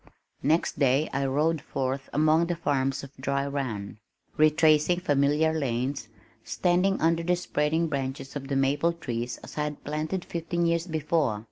Next day I rode forth among the farms of Dry Run, retracing familiar lanes, standing under the spreading branches of the maple trees I had planted fifteen years before.